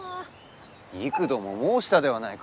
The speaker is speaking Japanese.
幾度も申したではないか！